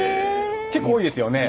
結構多いですよね。